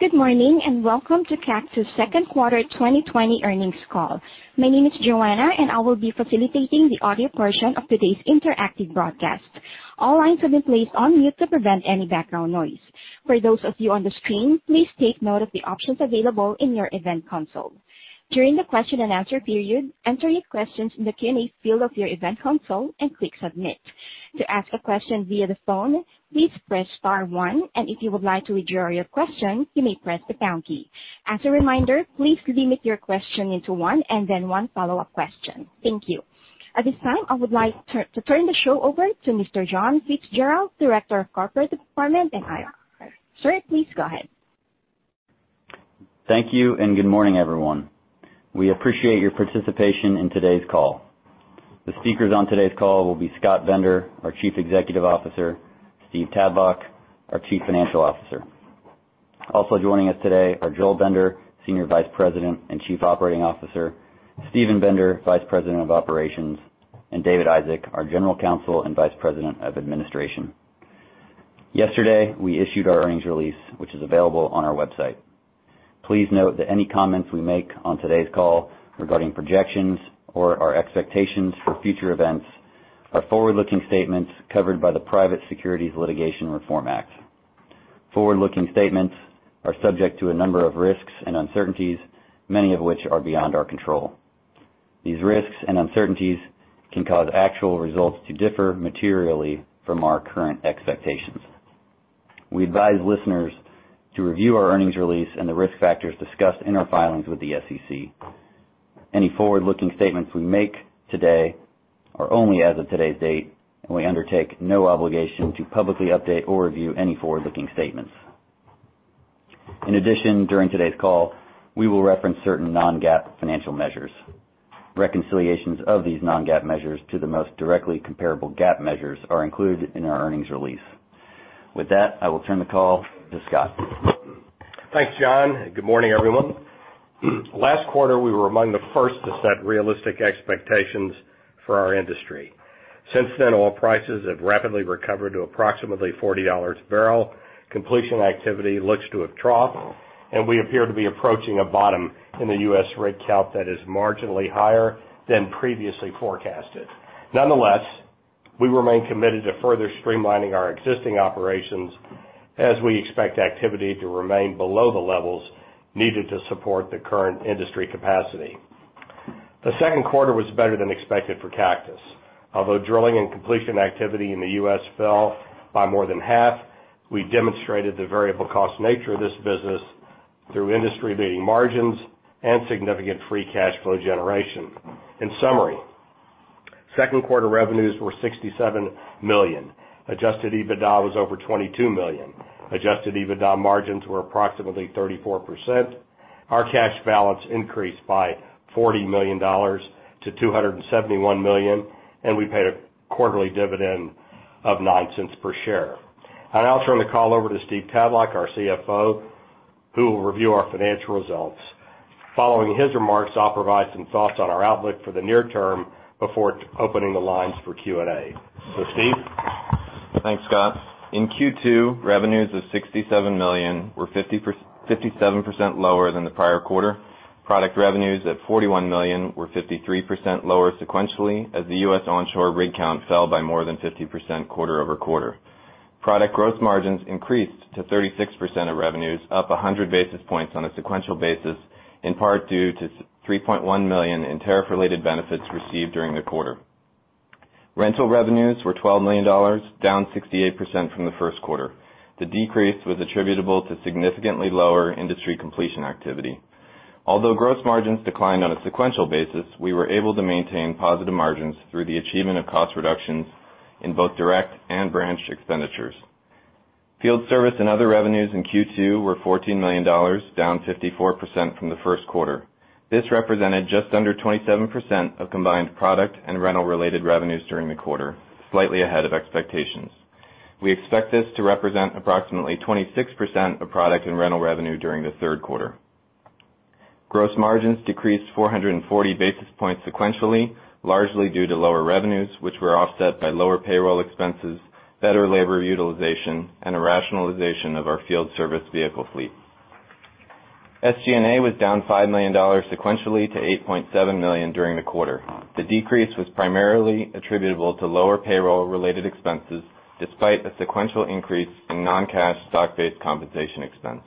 Good morning. Welcome to Cactus second quarter 2020 earnings call. My name is Joanna, and I will be facilitating the audio portion of today's interactive broadcast. All lines have been placed on mute to prevent any background noise. For those of you on the screen, please take note of the options available in your event console. During the question-and-answer period, enter your questions in the Q&A field of your event console and click submit. To ask a question via the phone, please press star one, and if you would like to withdraw your question, you may press the pound key. As a reminder, please limit your question into one, and then one follow-up question. Thank you. At this time, I would like to turn the show over to Mr. John Fitzgerald, Director of Corporate Development and IR. Sir, please go ahead. Thank you, good morning, everyone. We appreciate your participation in today's call. The speakers on today's call will be Scott Bender, our Chief Executive Officer, Steve Tadlock, our Chief Financial Officer. Also joining us today are Joel Bender, Senior Vice President and Chief Operating Officer, Steven Bender, Vice President of Operations, and David Isaac, our General Counsel and Vice President of Administration. Yesterday, we issued our earnings release, which is available on our website. Please note that any comments we make on today's call regarding projections or our expectations for future events are forward-looking statements covered by the Private Securities Litigation Reform Act. Forward-looking statements are subject to a number of risks and uncertainties, many of which are beyond our control. These risks and uncertainties can cause actual results to differ materially from our current expectations. We advise listeners to review our earnings release and the risk factors discussed in our filings with the SEC. Any forward-looking statements we make today are only as of today's date, and we undertake no obligation to publicly update or review any forward-looking statements. In addition, during today's call, we will reference certain non-GAAP financial measures. Reconciliations of these non-GAAP measures to the most directly comparable GAAP measures are included in our earnings release. With that, I will turn the call to Scott. Thanks, John, and good morning, everyone. Last quarter, we were among the first to set realistic expectations for our industry. Since then, oil prices have rapidly recovered to approximately $40 a barrel. Completion activity looks to have troughed, and we appear to be approaching a bottom in the U.S. rig count that is marginally higher than previously forecasted. Nonetheless, we remain committed to further streamlining our existing operations as we expect activity to remain below the levels needed to support the current industry capacity. The second quarter was better than expected for Cactus. Although drilling and completion activity in the U.S. fell by more than half, we demonstrated the variable cost nature of this business through industry-leading margins and significant free cash flow generation. In summary, second quarter revenues were $67 million. Adjusted EBITDA was over $22 million. Adjusted EBITDA margins were approximately 34%. Our cash balance increased by $40 million to $271 million, and we paid a quarterly dividend of $0.09 per share. I'll now turn the call over to Steve Tadlock, our CFO, who will review our financial results. Following his remarks, I'll provide some thoughts on our outlook for the near term before opening the lines for Q&A. So Steve? Thanks, Scott. In Q2, revenues of $67 million were 57% lower than the prior quarter. Product revenues at $41 million were 53% lower sequentially as the U.S. onshore rig count fell by more than 50% quarter-over-quarter. Product gross margins increased to 36% of revenues, up 100 basis points on a sequential basis, in part due to $3.1 million in tariff-related benefits received during the quarter. Rental revenues were $12 million, down 68% from the first quarter. The decrease was attributable to significantly lower industry completion activity. Although gross margins declined on a sequential basis, we were able to maintain positive margins through the achievement of cost reductions in both direct and branch expenditures. Field service and other revenues in Q2 were $14 million, down 54% from the first quarter. This represented just under 27% of combined product and rental-related revenues during the quarter, slightly ahead of expectations. We expect this to represent approximately 26% of product and rental revenue during the third quarter. Gross margins decreased 440 basis points sequentially, largely due to lower revenues, which were offset by lower payroll expenses, better labor utilization, and a rationalization of our field service vehicle fleet. SG&A was down $5 million sequentially to $8.7 million during the quarter. The decrease was primarily attributable to lower payroll-related expenses, despite a sequential increase in non-cash stock-based compensation expense.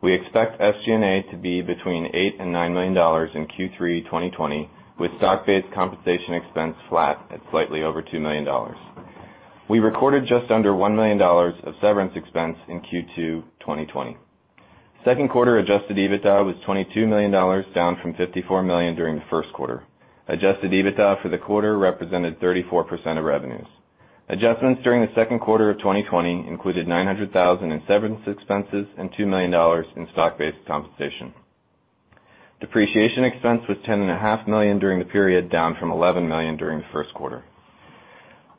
We expect SG&A to be between $8 million and $9 million in Q3 2020, with stock-based compensation expense flat at slightly over $2 million. We recorded just under $1 million of severance expense in Q2 2020. Second quarter adjusted EBITDA was $22 million, down from $54 million during the first quarter. Adjusted EBITDA for the quarter represented 34% of revenues. Adjustments during the second quarter of 2020 included $900,000 in severance expenses and $2 million in stock-based compensation. Depreciation expense was $10.5 million during the period, down from $11 million during the first quarter.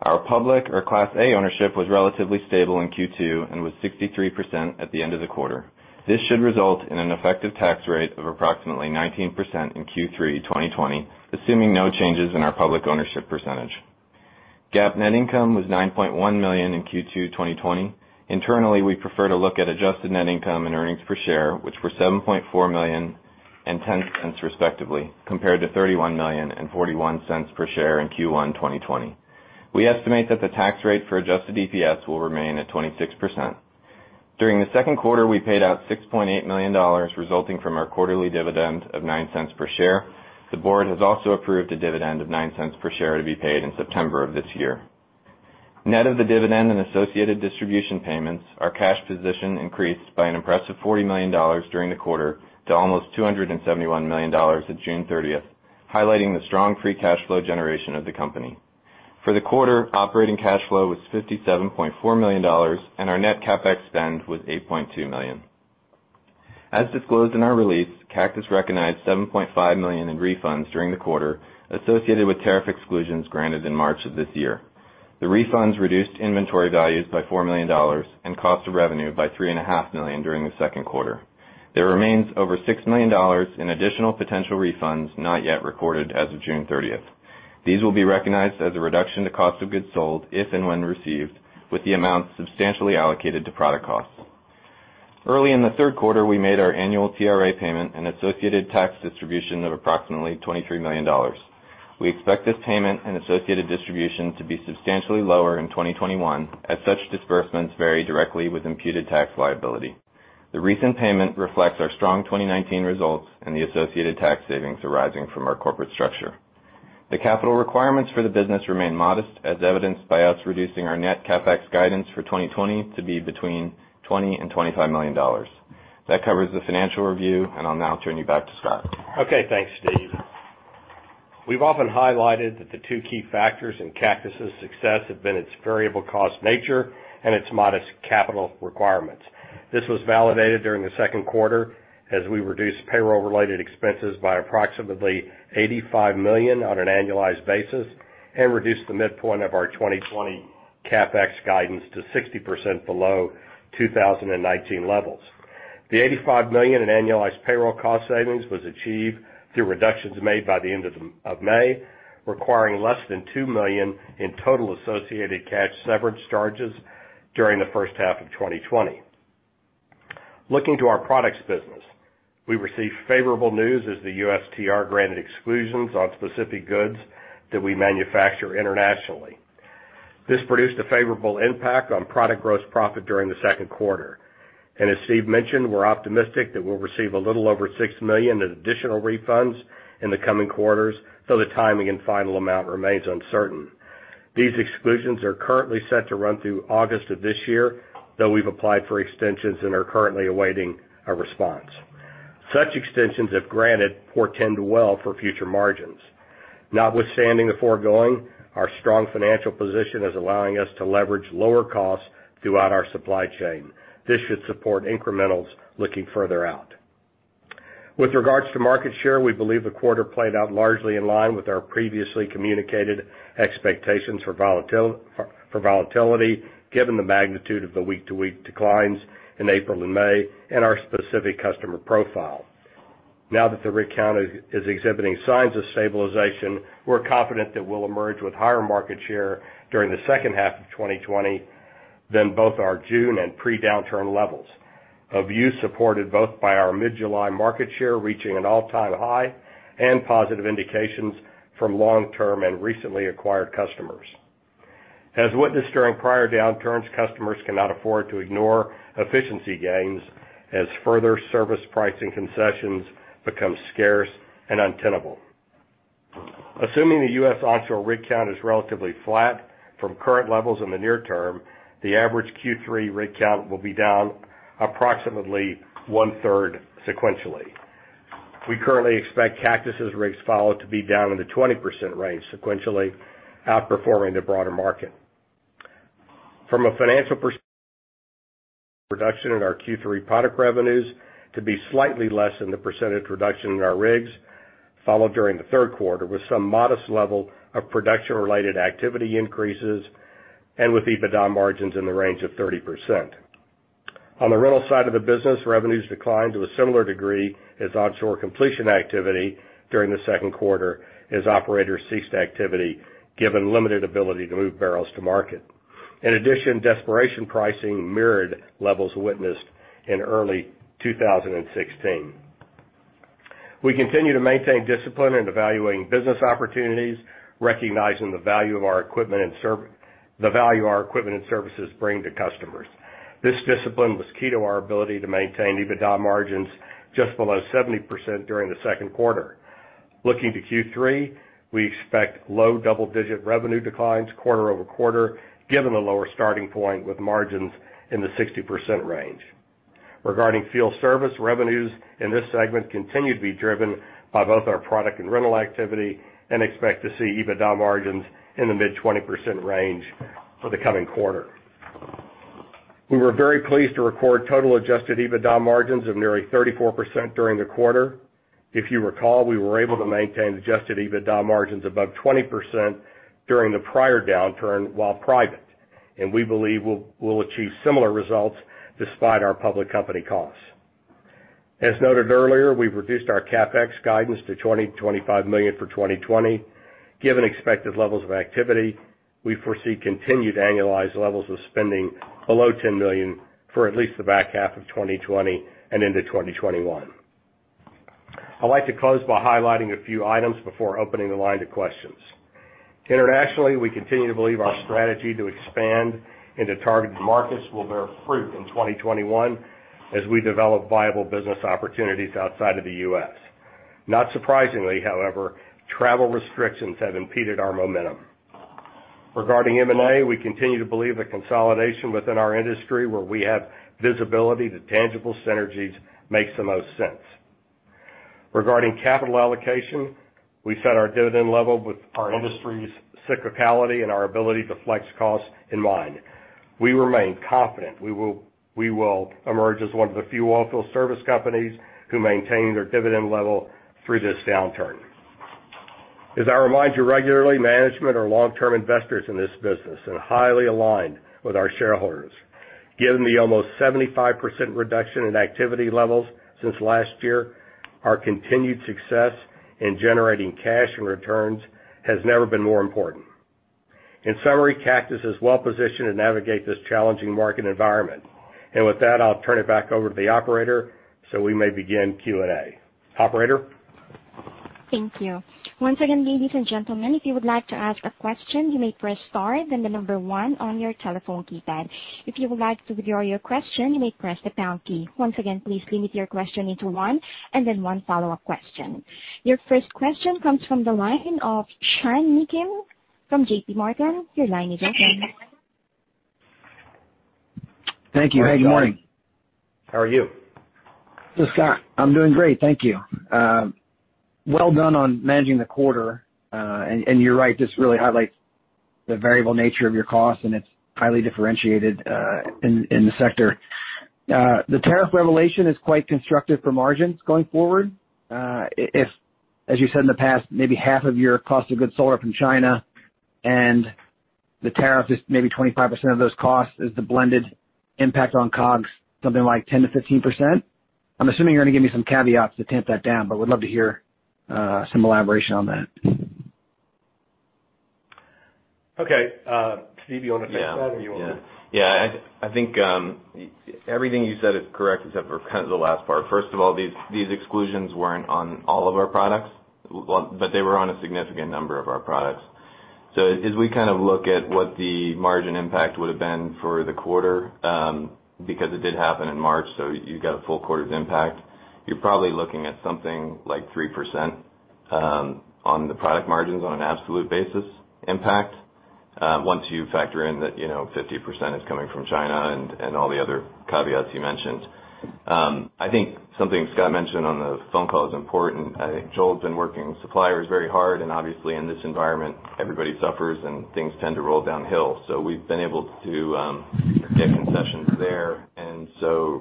Our public or Class A ownership was relatively stable in Q2 and was 63% at the end of the quarter. This should result in an effective tax rate of approximately 19% in Q3 2020, assuming no changes in our public ownership percentage. GAAP net income was $9.1 million in Q2 2020. Internally, we prefer to look at adjusted net income and earnings per share, which were $7.4 million and $0.10 respectively, compared to $31 million and $0.41 per share in Q1 2020. We estimate that the tax rate for adjusted EPS will remain at 26%. During the second quarter, we paid out $6.8 million resulting from our quarterly dividend of $0.09 per share. The board has also approved a dividend of $0.09 per share to be paid in September of this year. Net of the dividend and associated distribution payments, our cash position increased by an impressive $40 million during the quarter to almost $271 million at June 30th, highlighting the strong free cash flow generation of the company. For the quarter, operating cash flow was $57.4 million, and our net CapEx spend was $8.2 million. As disclosed in our release, Cactus recognized $7.5 million in refunds during the quarter associated with tariff exclusions granted in March of this year. The refunds reduced inventory values by $4 million and cost of revenue by $three and a half million during the second quarter. There remains over $6 million in additional potential refunds not yet recorded as of June 30th. These will be recognized as a reduction to cost of goods sold if and when received, with the amount substantially allocated to product costs. Early in the third quarter, we made our annual TRA payment and associated tax distribution of approximately $23 million. We expect this payment and associated distribution to be substantially lower in 2021, as such disbursements vary directly with imputed tax liability. The recent payment reflects our strong 2019 results and the associated tax savings arising from our corporate structure. The capital requirements for the business remain modest as evidenced by us reducing our net CapEx guidance for 2020 to be between $20 million and $25 million. That covers the financial review, and I'll now turn you back to Scott. Okay, thanks Steve. We've often highlighted that the two key factors in Cactus' success have been its variable cost nature and its modest capital requirements. This was validated during the second quarter as we reduced payroll-related expenses by approximately $85 million on an annualized basis and reduced the midpoint of our 2020 CapEx guidance to 60% below 2019 levels. The $85 million in annualized payroll cost savings was achieved through reductions made by the end of May, requiring less than $2 million in total associated cash severance charges during the first half of 2020. Looking to our products business, we received favorable news as the USTR granted exclusions on specific goods that we manufacture internationally. This produced a favorable impact on product gross profit during the second quarter. As Steve mentioned, we're optimistic that we'll receive a little over $6 million in additional refunds in the coming quarters, though the timing and final amount remains uncertain. These exclusions are currently set to run through August of this year, though we've applied for extensions and are currently awaiting a response. Such extensions, if granted, portend well for future margins. Notwithstanding the foregoing, our strong financial position is allowing us to leverage lower costs throughout our supply chain. This should support incrementals looking further out. With regards to market share, we believe the quarter played out largely in line with our previously communicated expectations for volatility, given the magnitude of the week-to-week declines in April and May and our specific customer profile. Now that the rig count is exhibiting signs of stabilization, we're confident that we'll emerge with higher market share during the second half of 2020 than both our June and pre-downturn levels. A view supported both by our mid-July market share reaching an all-time high and positive indications from long-term and recently acquired customers. As witnessed during prior downturns, customers cannot afford to ignore efficiency gains as further service pricing concessions become scarce and untenable. Assuming the U.S. onshore rig count is relatively flat from current levels in the near term, the average Q3 rig count will be down approximately 1/3 sequentially. We currently expect Cactus's rigs followed to be down in the 20% range sequentially, outperforming the broader market. From a financial perspective, factoring in our Q3 product revenues to be slightly less than the percentage reduction in our rigs followed during the third quarter, with some modest level of fracturing-related activity increases and with EBITDA margins in the range of 30%. On the rental side of the business, revenues declined to a similar degree as onshore completion activity during the second quarter as operators ceased activity given limited ability to move barrels to market. In addition, desperation pricing mirrored levels witnessed in early 2016. We continue to maintain discipline in evaluating business opportunities, recognizing the value our equipment and services bring to customers. This discipline was key to our ability to maintain EBITDA margins just below 70% during the second quarter. Looking to Q3, we expect low double-digit revenue declines quarter-over-quarter, given the lower starting point with margins in the 60% range. Regarding field service revenues in this segment continue to be driven by both our product and rental activity and expect to see EBITDA margins in the mid-20% range for the coming quarter. We were very pleased to record total adjusted EBITDA margins of nearly 34% during the quarter. If you recall, we were able to maintain adjusted EBITDA margins above 20% during the prior downturn while private. We believe we'll achieve similar results despite our public company costs. As noted earlier, we've reduced our CapEx guidance to $20-25 million for 2020. Given expected levels of activity, we foresee continued annualized levels of spending below $10 million for at least the back half of 2020 and into 2021. I'd like to close by highlighting a few items before opening the line to questions. Internationally, we continue to believe our strategy to expand into targeted markets will bear fruit in 2021 as we develop viable business opportunities outside of the U.S. Not surprisingly, however, travel restrictions have impeded our momentum. Regarding M&A, we continue to believe the consolidation within our industry, where we have visibility to tangible synergies makes the most sense. Regarding capital allocation, we set our dividend level with our industry's cyclicality and our ability to flex costs in mind. We remain confident we will emerge as one of the few oilfield service companies who maintain their dividend level through this downturn. As I remind you regularly, management are long-term investors in this business and highly aligned with our shareholders. Given the almost 75% reduction in activity levels since last year, our continued success in generating cash and returns has never been more important. In summary, Cactus is well-positioned to navigate this challenging market environment. With that, I'll turn it back over to the operator, so we may begin Q&A. Operator? Thank you. Once again, ladies and gentlemen, if you would like to ask a question, you may press star then the number one on your telephone keypad. If you would like to withdraw your question, you may press the pound key. Once again, please limit your question into one, and then one follow-up question. Your first question comes from the line of Sean Meakim from J.P. Morgan. Your line is open. Thank you. Hey, good morning. How are you? Just got in. I'm doing great. Thank you. Well done on managing the quarter. You're right, this really highlights the variable nature of your cost, and it's highly differentiated in the sector. The tariff revelation is quite constructive for margins going forward. If, as you said in the past, maybe half of your cost of goods sold are from China and the tariff is maybe 25% of those costs is the blended impact on COGS, something like 10%-15%. I'm assuming you're going to give me some caveats to tamp that down, but would love to hear some elaboration on that. Okay. Steve, you want to take that? Yeah. You want me to? I think everything you said is correct except for kind of the last part. First of all, these exclusions weren't on all of our products, but they were on a significant number of our products. As we look at what the margin impact would've been for the quarter, because it did happen in March, you got a full quarter's impact, you're probably looking at something like 3% on the product margins on an absolute basis impact once you factor in that 50% is coming from China and all the other caveats you mentioned. I think something Scott mentioned on the phone call is important. Joel's been working with suppliers very hard, and obviously in this environment, everybody suffers and things tend to roll downhill. We've been able to get concessions there.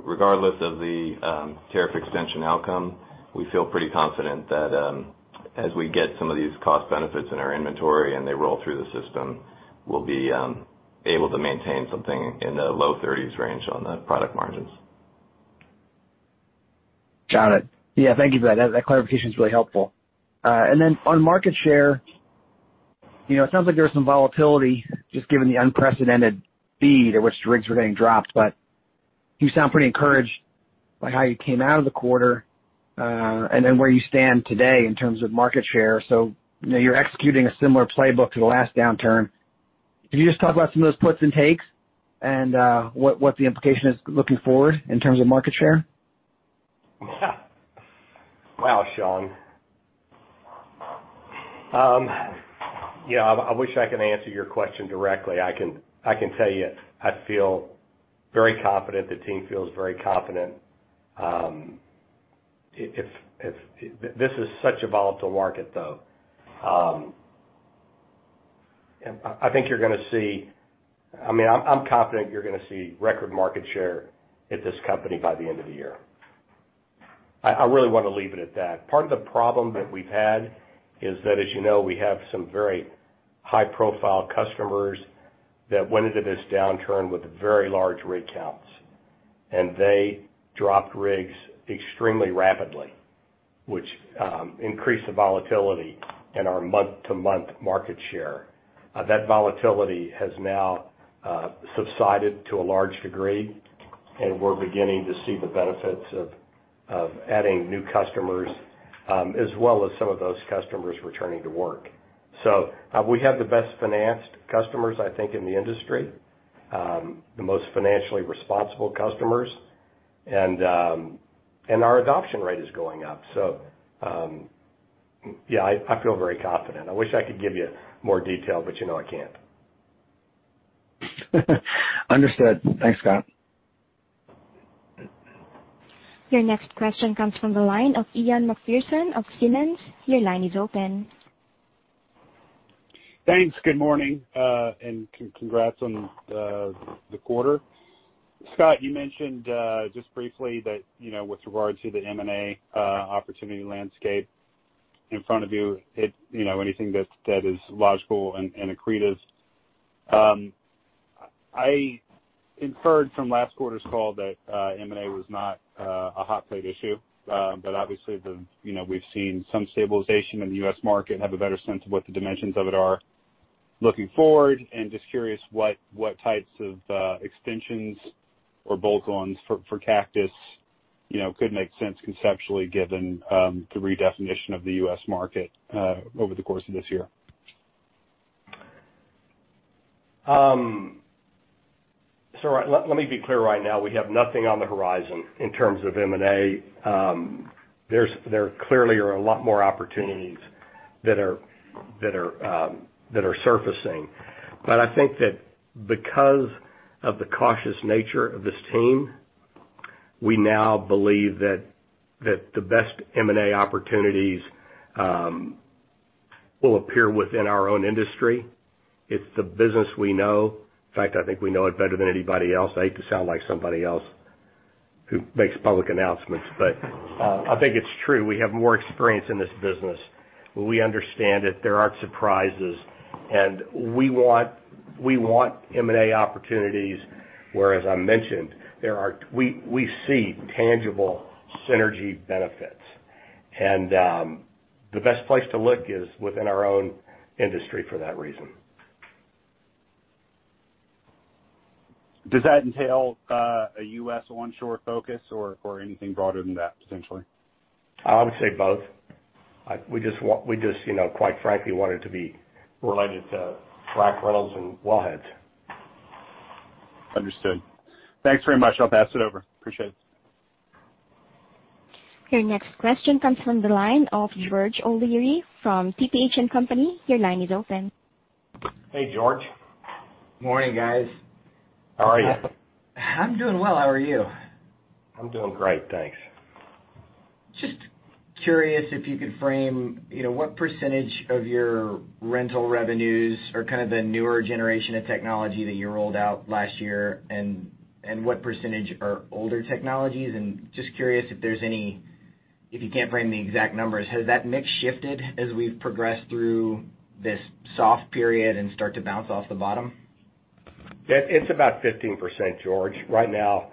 Regardless of the tariff extension outcome, we feel pretty confident that as we get some of these cost benefits in our inventory and they roll through the system, we will be able to maintain something in the low thirties range on the product margins. Got it. Yeah, thank you for that. That clarification is really helpful. Then on market share, it sounds like there was some volatility just given the unprecedented speed at which rigs were getting dropped, but you sound pretty encouraged by how you came out of the quarter, and then where you stand today in terms of market share. You're executing a similar playbook to the last downturn. Could you just talk about some of those puts and takes and what the implication is looking forward in terms of market share? Wow, Sean. I wish I could answer your question directly. I can tell you, I feel very confident, the team feels very confident. This is such a volatile market, though. I'm confident you're going to see record market share at this company by the end of the year. I really want to leave it at that. Part of the problem that we've had is that, as you know, we have some very high-profile customers that went into this downturn with very large rig counts. They dropped rigs extremely rapidly, which increased the volatility in our month-to-month market share. That volatility has now subsided to a large degree, and we're beginning to see the benefits of adding new customers, as well as some of those customers returning to work. We have the best-financed customers, I think, in the industry. The most financially responsible customers. Our adoption rate is going up. Yeah, I feel very confident. I wish I could give you more detail, but you know I can't. Understood. Thanks, Scott. Your next question comes from the line of Ian Macpherson of Simmons. Your line is open. Thanks. Good morning. Congrats on the quarter. Scott, you mentioned just briefly that with regard to the M&A opportunity landscape in front of you, anything that is logical and accretive. I inferred from last quarter's call that M&A was not a hot plate issue. Obviously, we've seen some stabilization in the U.S. market and have a better sense of what the dimensions of it are looking forward, and just curious what types of extensions or bolt-ons for Cactus could make sense conceptually given the redefinition of the U.S. market over the course of this year. Let me be clear right now, we have nothing on the horizon in terms of M&A. There clearly are a lot more opportunities that are surfacing. I think that because of the cautious nature of this team, we now believe that the best M&A opportunities will appear within our own industry. It's the business we know. In fact, I think we know it better than anybody else. I hate to sound like somebody else who makes public announcements, but I think it's true. We have more experience in this business, we understand it, there aren't surprises, and we want M&A opportunities where, as I mentioned, we see tangible synergy benefits. The best place to look is within our own industry for that reason. Does that entail a U.S. onshore focus or anything broader than that, potentially? I would say both. We just, quite frankly, want it to be related to frac rentals and wellheads. Understood. Thanks very much. I'll pass it over. Appreciate it. Your next question comes from the line of George O'Leary from TPH&Co. Your line is open. Hey, George. Morning, guys. How are you? I'm doing well. How are you? I'm doing great, thanks. Just curious if you could frame what percentage of your rental revenues are kind of the newer generation of technology that you rolled out last year and what percentage are older technologies? Just curious if you can't frame the exact numbers, has that mix shifted as we've progressed through this soft period and start to bounce off the bottom? It's about 15%, George. Right now,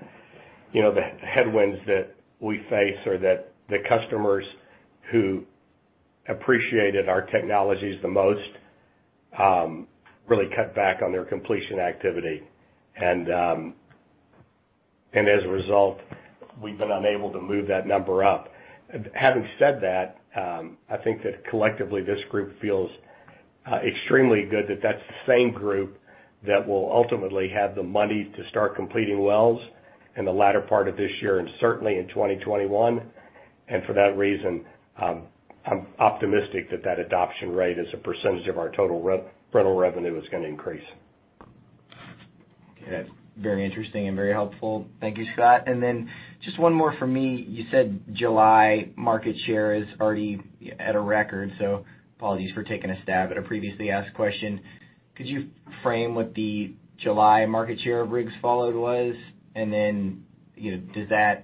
the headwinds that we face are that the customers who appreciated our technologies the most really cut back on their completion activity. As a result, we've been unable to move that number up. Having said that, I think that collectively, this group feels extremely good that that's the same group that will ultimately have the money to start completing wells in the latter part of this year and certainly in 2021. For that reason, I'm optimistic that that adoption rate as a percentage of our total rental revenue is going to increase. Okay. Very interesting and very helpful. Thank you, Scott. Then just one more from me. You said July market share is already at a record, so apologies for taking a stab at a previously asked question. Could you frame what the July market share of rigs followed was? Then, is that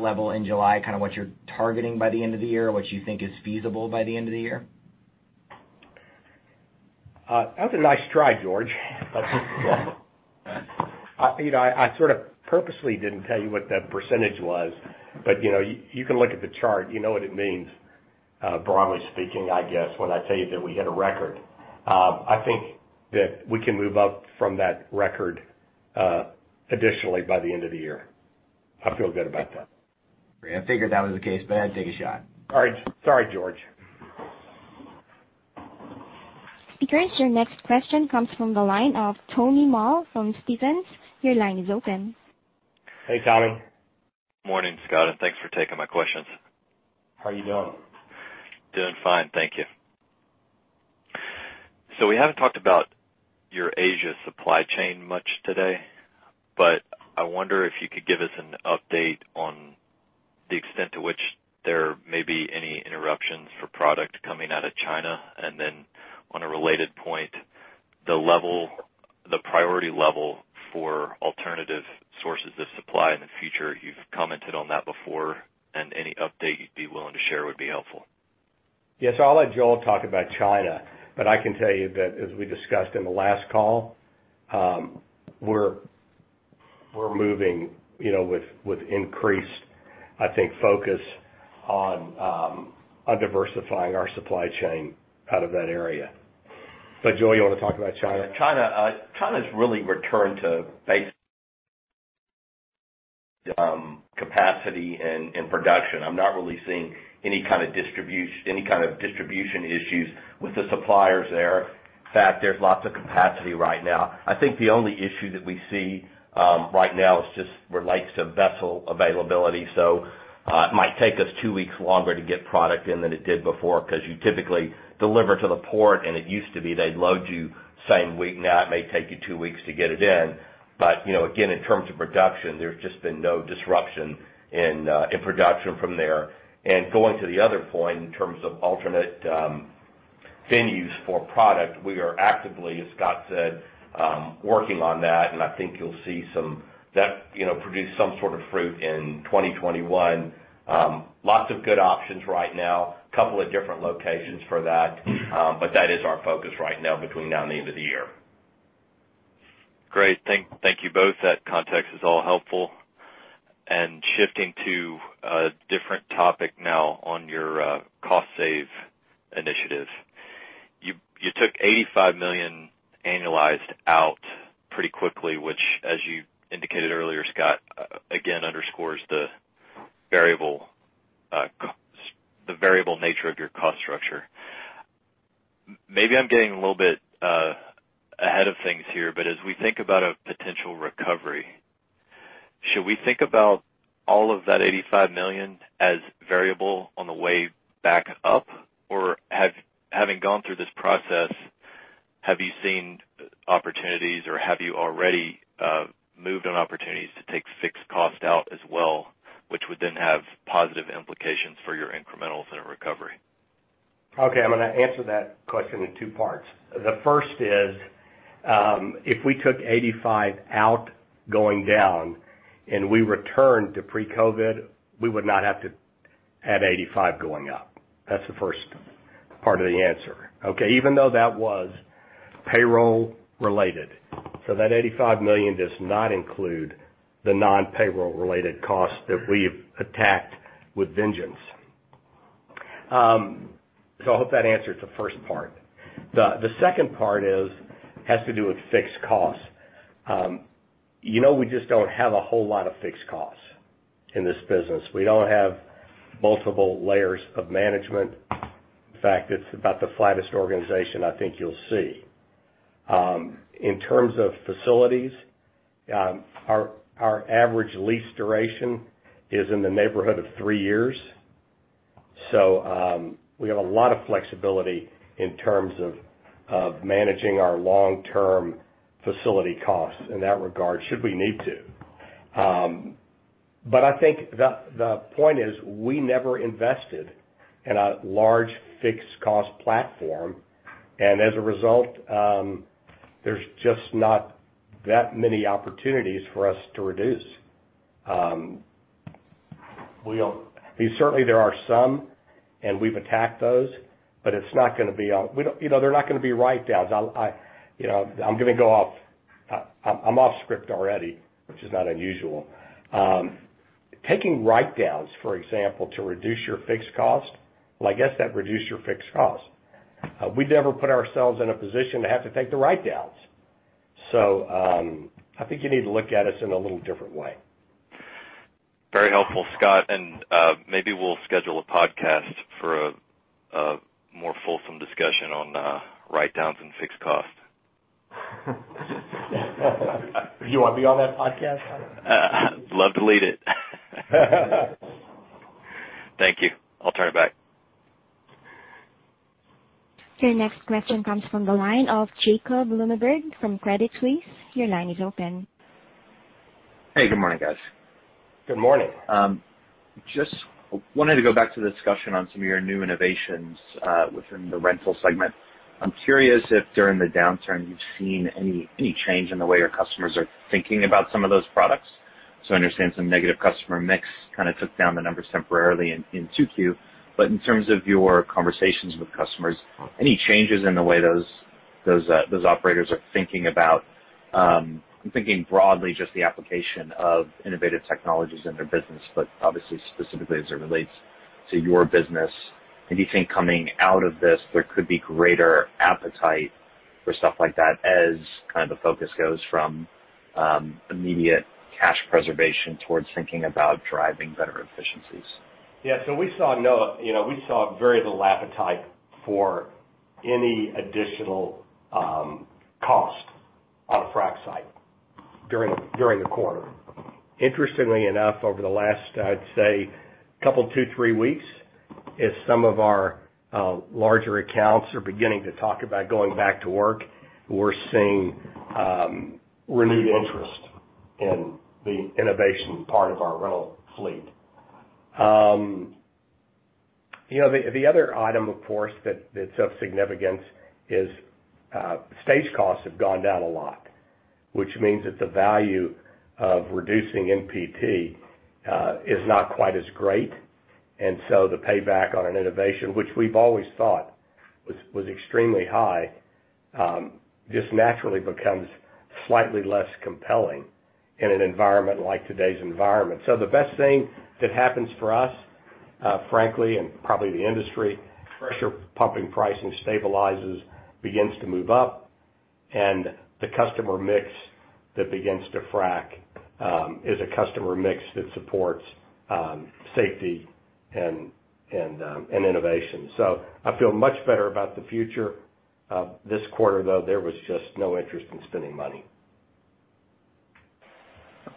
level in July kind of what you're targeting by the end of the year? What you think is feasible by the end of the year? That was a nice try, George. I sort of purposely didn't tell you what that percentage was, but you can look at the chart. You know what it means, broadly speaking, I guess, when I tell you that we hit a record. I think that we can move up from that record additionally by the end of the year. I feel good about that. Great. I figured that was the case, but I had to take a shot. Sorry, George. Operators, your next question comes from the line of Tommy Moll from Stephens. Your line is open. Hey, Tommy. Morning, Scott, and thanks for taking my questions. How are you doing? Doing fine, thank you. We haven't talked about your Asia supply chain much today, but I wonder if you could give us an update on the extent to which there may be any interruptions for product coming out of China. On a related point, the priority level for alternative sources of supply in the future. You've commented on that before, and any update you'd be willing to share would be helpful. Yes. I'll let Joel talk about China, but I can tell you that as we discussed in the last call, we're moving with increased, I think, focus on diversifying our supply chain out of that area. Joel, you want to talk about China? China's really returned to base capacity and production. I'm not really seeing any kind of distribution issues with the suppliers there. In fact, there's lots of capacity right now. I think the only issue that we see right now just relates to vessel availability. It might take us two weeks longer to get product in than it did before because you typically deliver to the port, and it used to be they'd load you same week. Now it may take you two weeks to get it in. Again, in terms of production, there's just been no disruption in production from there. Going to the other point in terms of alternate venues for product, we are actively, as Scott said, working on that, and I think you'll see that produce some sort of fruit in 2021. Lots of good options right now. Couple of different locations for that. That is our focus right now between now and the end of the year. Great. Thank you both. That context is all helpful. Shifting to a different topic now on your cost save initiative. You took $85 million annualized out pretty quickly, which as you indicated earlier, Scott, again underscores the variable nature of your cost structure. Maybe I'm getting a little bit ahead of things here, but as we think about a potential recovery, should we think about all of that $85 million as variable on the way back up, or having gone through this process, have you seen opportunities or have you already moved on opportunities to take fixed cost out as well, which would then have positive implications for your incrementals in a recovery? Okay, I'm going to answer that question in two parts. The first is, if we took 85 out going down and we returned to pre-COVID, we would not have to add 85 going up. That's the first part of the answer. Okay. That was payroll related. That $85 million does not include the non-payroll related costs that we've attacked with vengeance. I hope that answers the first part. The second part has to do with fixed costs. We just don't have a whole lot of fixed costs in this business. We don't have multiple layers of management. In fact, it's about the flattest organization I think you'll see. In terms of facilities, our average lease duration is in the neighborhood of three years. We have a lot of flexibility in terms of managing our long-term facility costs in that regard should we need to. I think the point is we never invested in a large fixed cost platform, and as a result, there's just not that many opportunities for us to reduce. Certainly, there are some, and we've attacked those, but they're not going to be write-downs. I'm off script already, which is not unusual. Taking write-downs, for example, to reduce your fixed cost. Well, I guess that reduced your fixed cost. We never put ourselves in a position to have to take the write-downs. I think you need to look at us in a little different way. Very helpful, Scott. Maybe we'll schedule a podcast for a more fulsome discussion on write-downs and fixed costs. You want to be on that podcast? Love to lead it. Thank you. I'll turn it back. Your next question comes from the line of Jacob Lundberg from Credit Suisse. Your line is open. Hey, good morning, guys. Good morning. Just wanted to go back to the discussion on some of your new innovations within the rental segment. I'm curious if during the downturn, you've seen any change in the way your customers are thinking about some of those products. I understand some negative customer mix kind of took down the numbers temporarily in 2Q. In terms of your conversations with customers, any changes in the way those operators are thinking about I'm thinking broadly just the application of innovative technologies in their business, but obviously specifically as it relates to your business. Do you think coming out of this, there could be greater appetite for stuff like that as kind of the focus goes from immediate cash preservation towards thinking about driving better efficiencies? Yeah. We saw very little appetite for any additional cost on a frac site during the quarter. Interestingly enough, over the last, I'd say couple, two, three weeks, as some of our larger accounts are beginning to talk about going back to work, we're seeing renewed interest in the innovation part of our rental fleet. The other item, of course, that's of significance is stage costs have gone down a lot, which means that the value of reducing NPT is not quite as great. The payback on an innovation, which we've always thought was extremely high, just naturally becomes slightly less compelling in an environment like today's environment. The best thing that happens for us, frankly, and probably the industry, pressure pumping pricing stabilizes, begins to move up, and the customer mix that begins to frac is a customer mix that supports safety and innovation. I feel much better about the future. This quarter, though, there was just no interest in spending money.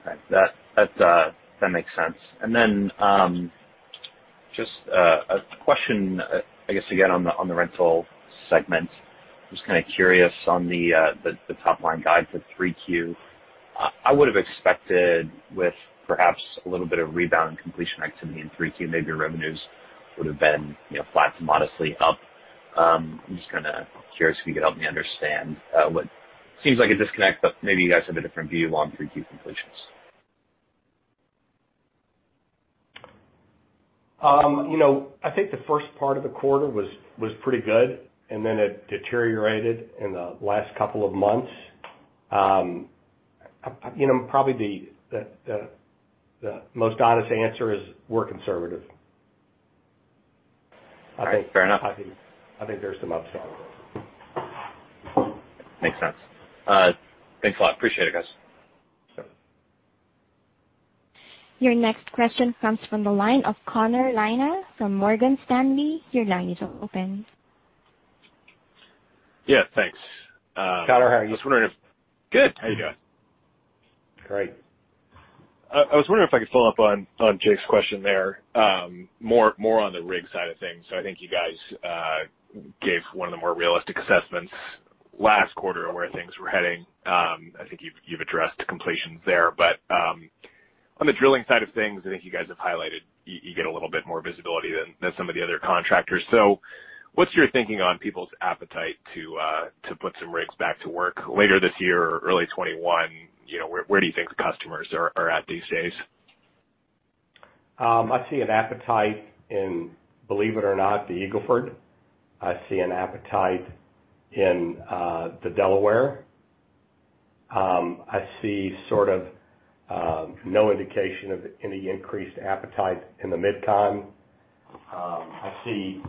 Okay. That makes sense. Just a question, I guess, again, on the rental segment. Just kind of curious on the top-line guide for 3Q. I would have expected with perhaps a little bit of rebound in completion activity in 3Q, maybe your revenues would have been flat to modestly up. I'm just kind of curious if you could help me understand what seems like a disconnect, but maybe you guys have a different view on 3Q completions. I think the first part of the quarter was pretty good, and then it deteriorated in the last couple of months. Probably the most honest answer is we're conservative. All right. Fair enough. I think there's some upside. Makes sense. Thanks a lot. Appreciate it, guys. Sure. Your next question comes from the line of Connor Lynagh from Morgan Stanley. Your line is open. Yeah, thanks. Connor, how are you? Good. How you doing? Great. I was wondering if I could follow up on Jake's question there, more on the rig side of things. I think you guys gave one of the more realistic assessments last quarter of where things were heading. I think you've addressed completions there. On the drilling side of things, I think you guys have highlighted you get a little bit more visibility than some of the other contractors. What's your thinking on people's appetite to put some rigs back to work later this year or early 2021? Where do you think the customers are at these days? I see an appetite in, believe it or not, the Eagle Ford. I see an appetite in the Delaware. I see sort of no indication of any increased appetite in the MidCon. I see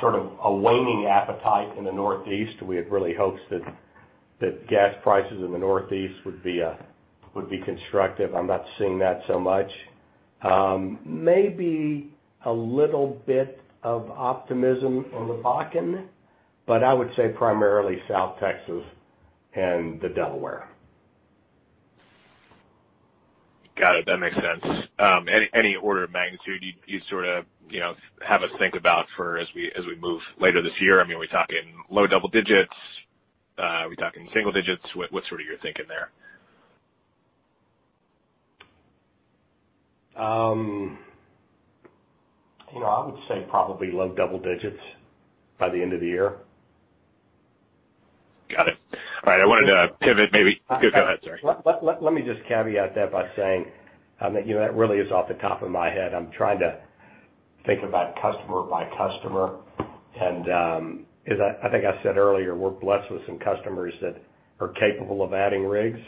sort of a waning appetite in the Northeast. We had really hoped that gas prices in the Northeast would be constructive. I'm not seeing that so much. Maybe a little bit of optimism on the Bakken, but I would say primarily South Texas and the Delaware. Got it. That makes sense. Any order of magnitude you sort of have us think about for as we move later this year? I mean, are we talking low double digits? Are we talking single digits? What's sort of your thinking there? I would say probably low double digits by the end of the year. Got it. All right. I wanted to pivot maybe. Go ahead, sorry. Let me just caveat that by saying, that really is off the top of my head. I'm trying to think about customer by customer and as I think I said earlier, we're blessed with some customers that are capable of adding rigs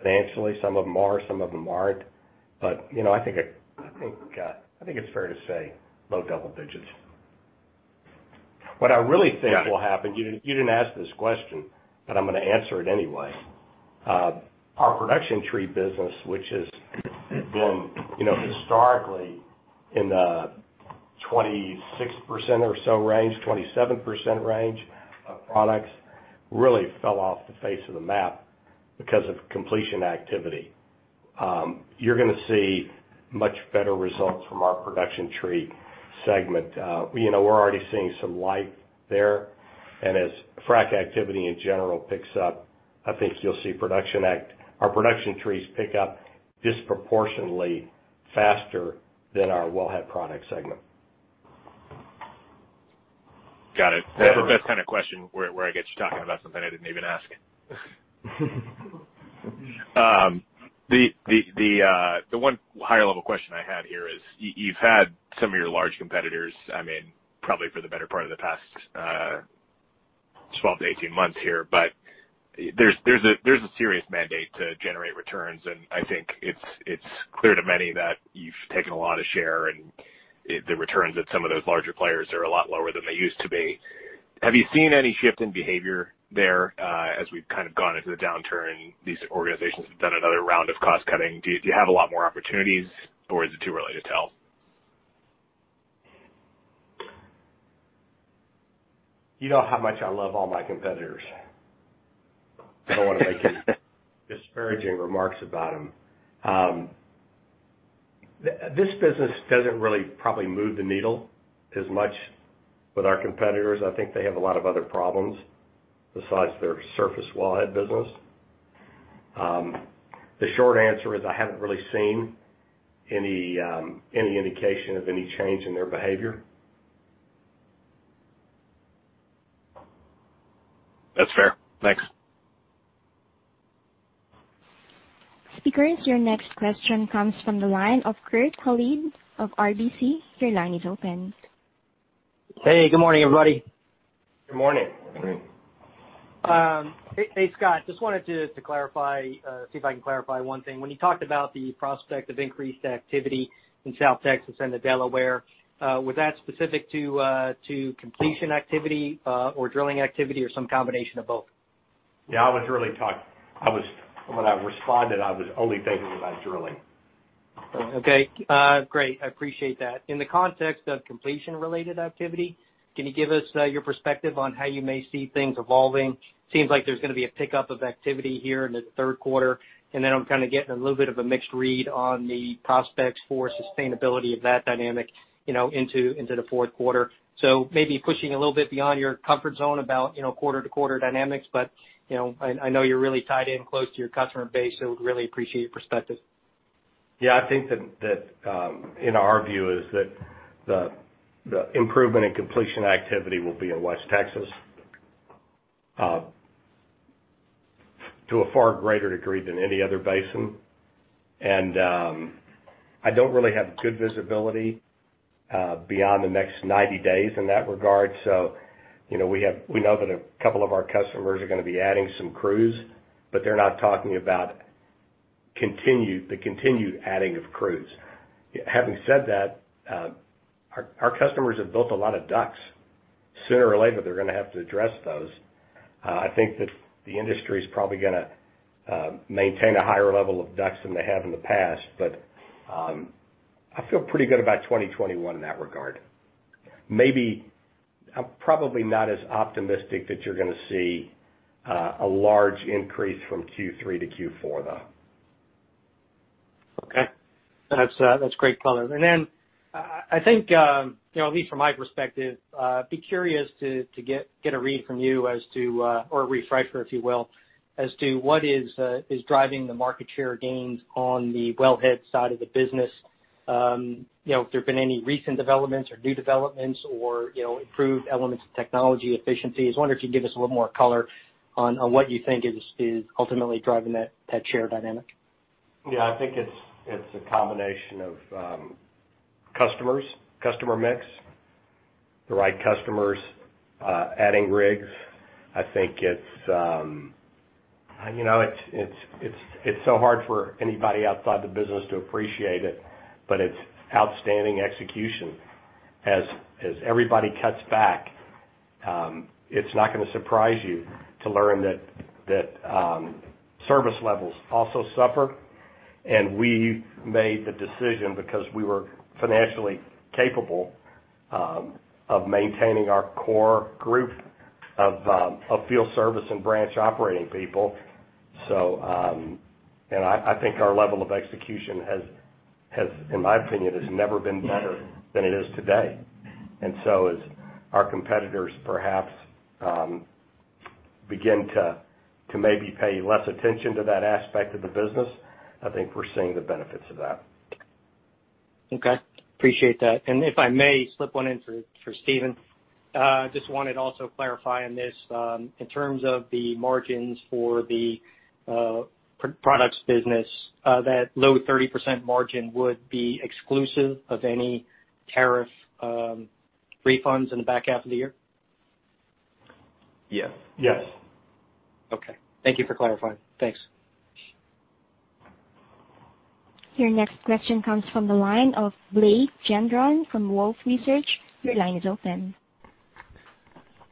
financially. Some of them are, some of them aren't. I think it's fair to say low double digits. What I really think will happen, you didn't ask this question, but I'm going to answer it anyway. Our production tree business, which has been historically in the 26% or so range, 27% range of products, really fell off the face of the map because of completion activity. You're going to see much better results from our production tree segment. We're already seeing some light there, and as frack activity in general picks up, I think you'll see our production trees pick up disproportionately faster than our wellhead product segment. Got it. That's the best kind of question where I get you talking about something I didn't even ask. The one higher level question I had here is, you've had some of your large competitors, probably for the better part of the past 12 to 18 months here, but there's a serious mandate to generate returns, and I think it's clear to many that you've taken a lot of share and the returns at some of those larger players are a lot lower than they used to be. Have you seen any shift in behavior there as we've kind of gone into the downturn? These organizations have done another round of cost cutting. Do you have a lot more opportunities, or is it too early to tell? You know how much I love all my competitors. I don't want to make any disparaging remarks about them. This business doesn't really probably move the needle as much with our competitors. I think they have a lot of other problems besides their surface wellhead business. The short answer is I haven't really seen any indication of any change in their behavior. That's fair. Thanks. Speakers, your next question comes from the line of Kurt Hallead of RBC. Your line is open. Hey, good morning, everybody. Good morning. Hey, Scott. Just wanted to see if I can clarify one thing. When you talked about the prospect of increased activity in South Texas and the Delaware, was that specific to completion activity or drilling activity or some combination of both? Yeah, when I responded, I was only thinking about drilling. Okay, great. I appreciate that. In the context of completion-related activity, can you give us your perspective on how you may see things evolving? Seems like there's going to be a pickup of activity here in the third quarter, and then I'm kind of getting a little bit of a mixed read on the prospects for sustainability of that dynamic into the fourth quarter. Maybe pushing a little bit beyond your comfort zone about quarter-to-quarter dynamics, but I know you're really tied in close to your customer base, so would really appreciate your perspective. Yeah, I think that in our view is that the improvement in completion activity will be in West Texas. To a far greater degree than any other basin. I don't really have good visibility beyond the next 90 days in that regard. We know that a couple of our customers are going to be adding some crews, but they're not talking about the continued adding of crews. Having said that, our customers have built a lot of DUCs. Sooner or later, they're going to have to address those. I think that the industry's probably going to maintain a higher level of DUCs than they have in the past, but I feel pretty good about 2021 in that regard. Maybe, I'm probably not as optimistic that you're going to see a large increase from Q3 to Q4, though. Okay. That's great comment. I think, at least from my perspective, be curious to get a read from you as to, or a refresh, if you will, as to what is driving the market share gains on the wellhead side of the business. If there've been any recent developments or new developments or improved elements of technology efficiency. I was wondering if you could give us a little more color on what you think is ultimately driving that market share dynamic. I think it's a combination of customers, customer mix, the right customers, adding rigs. It's so hard for anybody outside the business to appreciate it, but it's outstanding execution. As everybody cuts back, it's not going to surprise you to learn that service levels also suffer. We made the decision because we were financially capable of maintaining our core group of field service and branch operating people. I think our level of execution has, in my opinion, never been better than it is today. As our competitors perhaps begin to maybe pay less attention to that aspect of the business, I think we're seeing the benefits of that. Okay. Appreciate that. If I may slip one in for Steven, just wanted also clarify on this, in terms of the margins for the products business, that low 30% margin would be exclusive of any tariff refunds in the back half of the year? Yes. Yes. Okay. Thank you for clarifying. Thanks. Your next question comes from the line of Blake Gendron from Wolfe Research. Your line is open.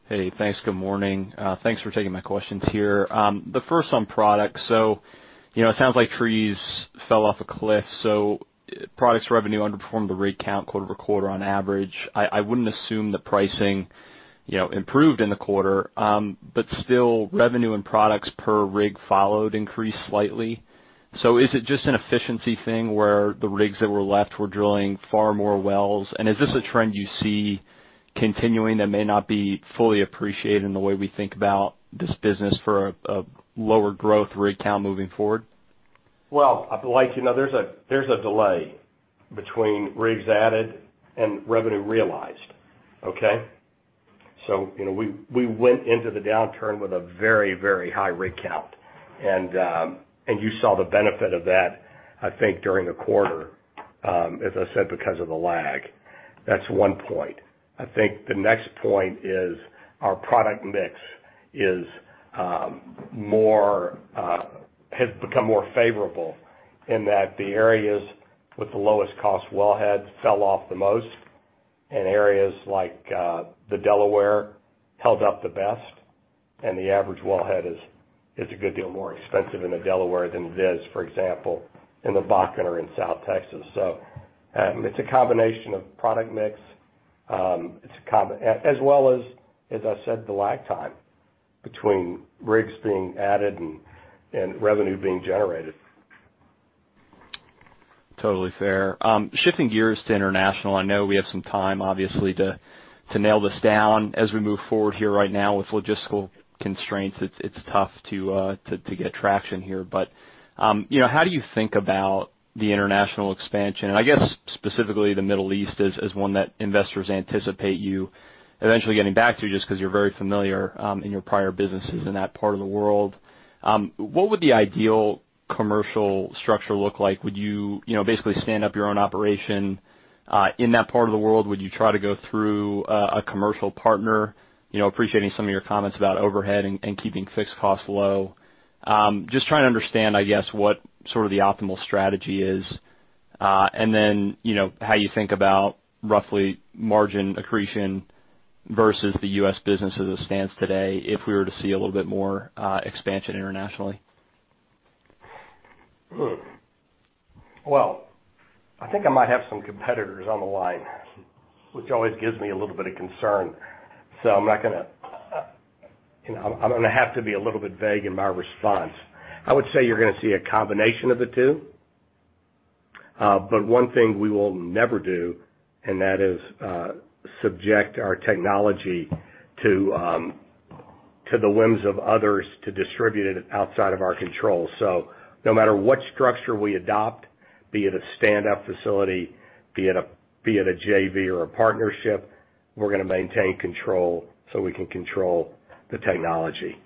Hey, thanks. Good morning. Thanks for taking my questions here. First on products. It sounds like trees fell off a cliff, so products revenue underperformed the rig count quarter-over-quarter on average. I wouldn't assume the pricing improved in the quarter, still revenue and products per rig followed increased slightly. Is it just an efficiency thing where the rigs that were left were drilling far more wells? Is this a trend you see continuing that may not be fully appreciated in the way we think about this business for a lower growth rig count moving forward? Well, Blake, there's a delay between rigs added and revenue realized. Okay? We went into the downturn with a very high rig count and you saw the benefit of that, I think, during the quarter, as I said, because of the lag. That's one point. I think the next point is our product mix has become more favorable in that the areas with the lowest cost wellhead fell off the most in areas like the Delaware held up the best and the average wellhead is a good deal more expensive in the Delaware than it is, for example, in the Bakken or in South Texas. It's a combination of product mix, as well as I said, the lag time between rigs being added and revenue being generated. Totally fair. Shifting gears to international. I know we have some time, obviously, to nail this down as we move forward here right now with logistical constraints, it's tough to get traction here. How do you think about the international expansion? And I guess specifically the Middle East as one that investors anticipate you eventually getting back to, just because you're very familiar, in your prior businesses in that part of the world. What would the ideal commercial structure look like? Would you basically stand up your own operation, in that part of the world? Would you try to go through a commercial partner? Appreciating some of your comments about overhead and keeping fixed costs low. Just trying to understand, I guess, what sort of the optimal strategy is. How you think about roughly margin accretion versus the U.S. business as it stands today if we were to see a little bit more expansion internationally. Well, I think I might have some competitors on the line, which always gives me a little bit of concern. I'm going to have to be a little bit vague in my response. I would say you're going to see a combination of the two. One thing we will never do, and that is, subject our technology to the whims of others to distribute it outside of our control. No matter what structure we adopt, be it a standup facility, be it a JV or a partnership, we're going to maintain control so we can control the technology.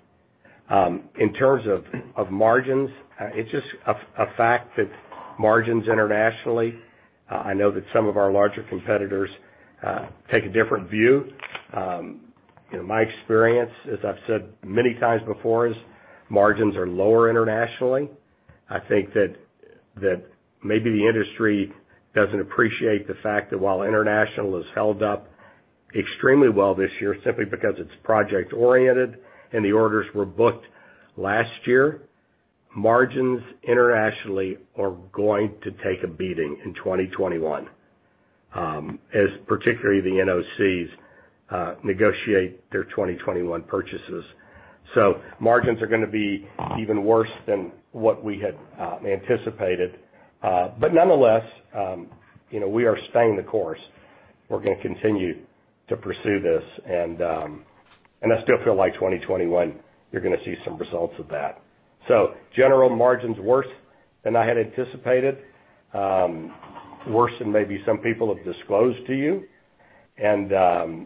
In terms of margins, it's just a fact that margins internationally, I know that some of our larger competitors take a different view. My experience, as I've said many times before, is margins are lower internationally. I think that maybe the industry doesn't appreciate the fact that while international has held up extremely well this year simply because it's project-oriented and the orders were booked last year, margins internationally are going to take a beating in 2021, as particularly the NOCs negotiate their 2021 purchases. Margins are going to be even worse than what we had anticipated. Nonetheless, we are staying the course. We're going to continue to pursue this, and I still feel like 2021, you're going to see some results of that. General margins worse than I had anticipated, worse than maybe some people have disclosed to you. We're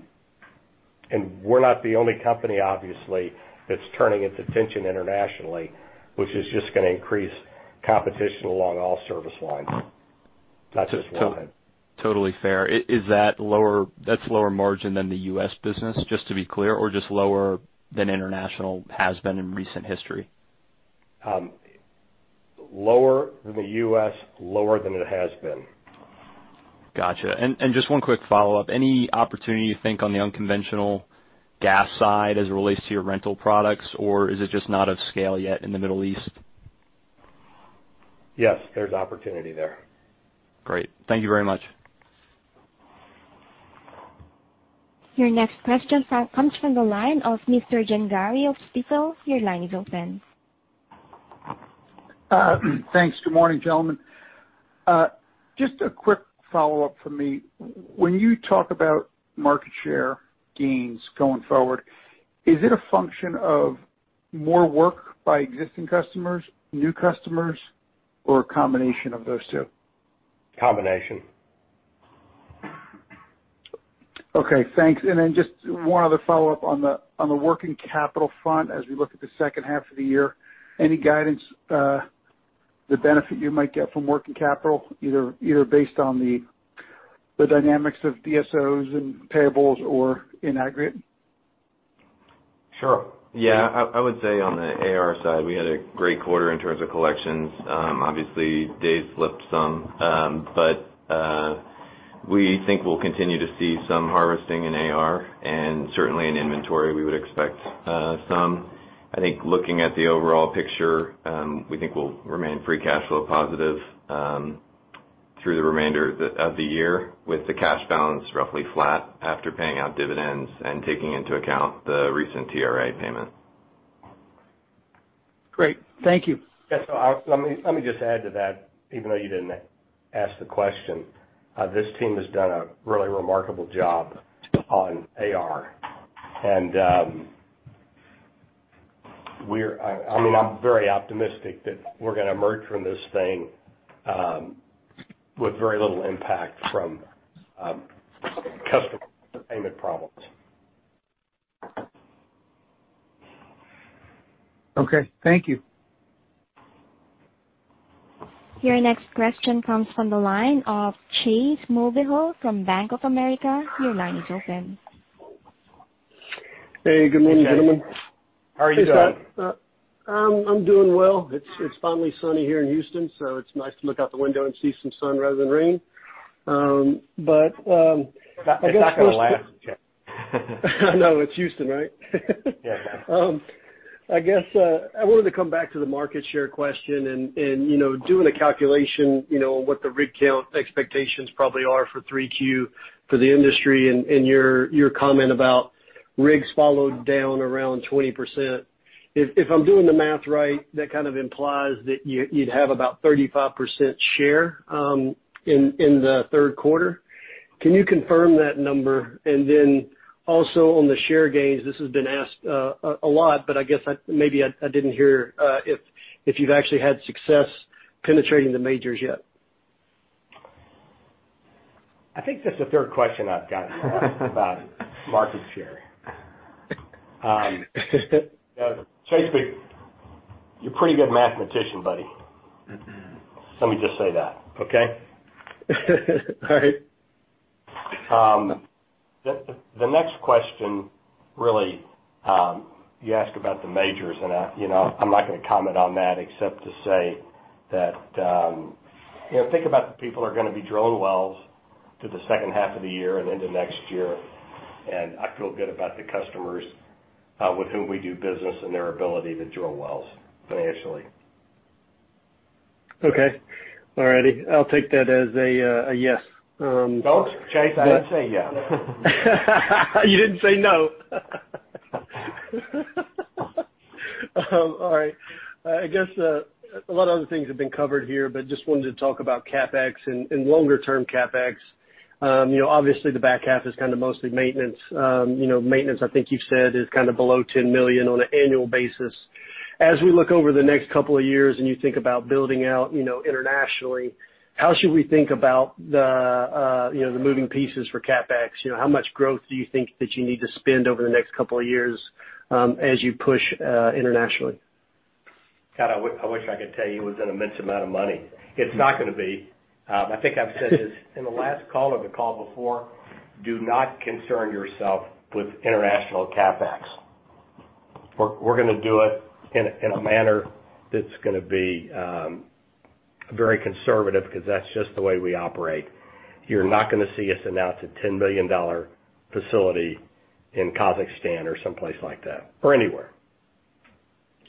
not the only company, obviously, that's turning its attention internationally, which is just going to increase competition along all service lines, not just one. Totally fair. That's lower margin than the U.S. business, just to be clear, or just lower than international has been in recent history? Lower than the U.S., lower than it has been. Got you. Just one quick follow-up. Any opportunity you think on the unconventional gas side as it relates to your rental products, or is it just not of scale yet in the Middle East? Yes, there's opportunity there. Great. Thank you very much. Your next question comes from the line of Mr. Gengaro of Stifel. Your line is open. Thanks. Good morning, gentlemen. Just a quick follow-up from me. When you talk about market share gains going forward, is it a function of more work by existing customers, new customers, or a combination of those two? Combination. Okay, thanks. Just one other follow-up on the working capital front as we look at the second half of the year. Any guidance, the benefit you might get from working capital, either based on the dynamics of DSOs and payables or in aggregate? Sure. Yeah. I would say on the AR side, we had a great quarter in terms of collections. Obviously, days slipped some. We think we'll continue to see some harvesting in AR and certainly in inventory, we would expect some. I think looking at the overall picture, we think we'll remain free cash flow positive through the remainder of the year with the cash balance roughly flat after paying out dividends and taking into account the recent TRA payment. Great. Thank you. Yes. Let me just add to that, even though you didn't ask the question. This team has done a really remarkable job on AR. I'm very optimistic that we're going to emerge from this thing with very little impact from customer payment problems. Okay. Thank you. Your next question comes from the line of Chase Mulvehill from Bank of America. Your line is open. Hey, good morning, gentlemen. How are you doing? I'm doing well. It's finally sunny here in Houston, so it's nice to look out the window and see some sun rather than rain. It's not going to last, Chase. I know it's Houston, right? Yeah. I guess, I wanted to come back to the market share question and doing a calculation, what the rig count expectations probably are for 3Q for the industry and your comment about rigs followed down around 20%. If I'm doing the math right, that kind of implies that you'd have about 35% share in the third quarter. Can you confirm that number? Also on the share gains, this has been asked a lot, but I guess maybe I didn't hear if you've actually had success penetrating the majors yet. I think that's the third question I've gotten about market share. Chase, you're a pretty good mathematician, buddy. Let me just say that, okay? All right. The next question, really, you asked about the majors. I'm not going to comment on that except to say that think about the people who are going to be drilling wells to the second half of the year and into next year. I feel good about the customers with whom we do business and their ability to drill wells financially. Okay. All righty. I'll take that as a yes. Don't, Chase. I didn't say yes. You didn't say no. All right. I guess a lot of other things have been covered here. Just wanted to talk about CapEx and longer term CapEx. Obviously the back half is kind of mostly maintenance. Maintenance, I think you've said, is kind of below $10 million on an annual basis. As we look over the next couple of years and you think about building out internationally, how should we think about the moving pieces for CapEx? How much growth do you think that you need to spend over the next couple of years as you push internationally? God, I wish I could tell you it was an immense amount of money. It's not going to be. I think I've said this in the last call or the call before, do not concern yourself with international CapEx. We're going to do it in a manner that's going to be very conservative because that's just the way we operate. You're not going to see us announce a $10 million facility in Kazakhstan or someplace like that, or anywhere.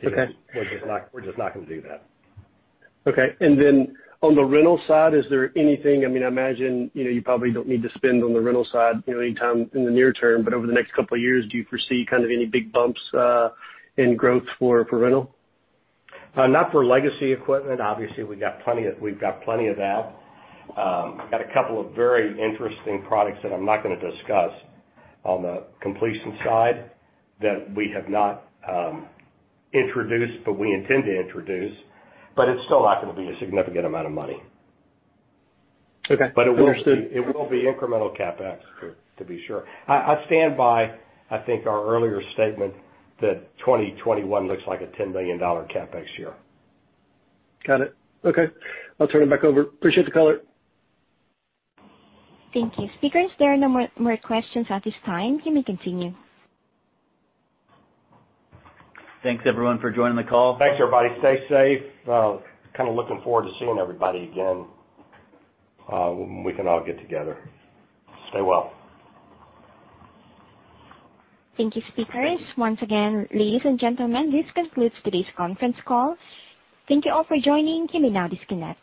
Okay. We're just not going to do that. Okay. On the rental side, is there anything, I imagine, you probably don't need to spend on the rental side anytime in the near term, over the next couple of years, do you foresee kind of any big bumps in growth for rental? Not for legacy equipment. Obviously, we've got plenty of that. Got a couple of very interesting products that I'm not going to discuss on the completion side that we have not introduced, but we intend to introduce. It's still not going to be a significant amount of money. Okay. Understood. It will be incremental CapEx, to be sure. I stand by, I think, our earlier statement that 2021 looks like a $10 million CapEx year. Got it. Okay. I'll turn it back over. Appreciate the color. Thank you. Speakers, there are no more questions at this time. You may continue. Thanks everyone for joining the call. Thanks everybody. Stay safe. Kind of looking forward to seeing everybody again when we can all get together. Stay well. Thank you, speakers. Once again, ladies and gentlemen, this concludes today's conference call. Thank you all for joining. You may now disconnect.